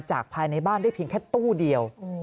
ภายในบ้านได้เพียงแค่ตู้เดียว